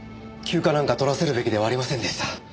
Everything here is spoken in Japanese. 休暇なんか取らせるべきではありませんでした。